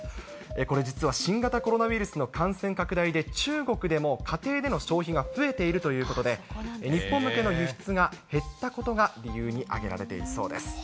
これ実は新型コロナウイルスの感染拡大で、中国でも家庭での消費が増えているということで、日本向けの輸出が減ったことが理由に挙げられているそうです。